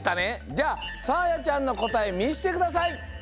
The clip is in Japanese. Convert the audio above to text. じゃあさあやちゃんのこたえみしてください！